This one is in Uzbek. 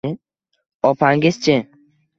Opangiz-chi?